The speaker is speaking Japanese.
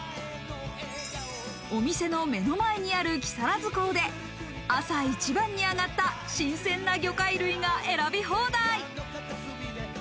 お店の目の前にある木更津港で、朝一番にあがった新鮮な魚介類が選び放題。